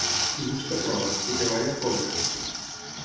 Qui busca, troba; qui treballa, cobra.